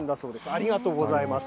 ありがとうございます。